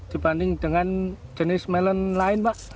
dibanding dengan jenis melon lain pak